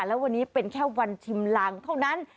แล้ววันนี้เป็นแค่วันชิมลางเท่านั้น